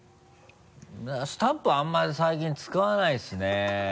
スタンプあんまり最近使わないですね。